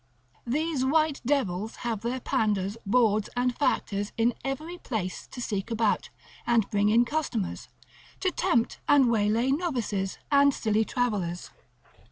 These white devils have their panders, bawds, and factors in every place to seek about, and bring in customers, to tempt and waylay novices, and silly travellers.